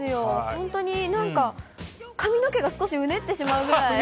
本当になんか髪の毛が少しうねってしまうぐらい。